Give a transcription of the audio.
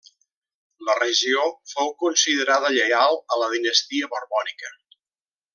La regió fou considerada lleial a la dinastia borbònica.